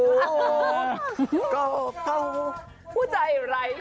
กล้องเข้าพุทัยไร้ผู้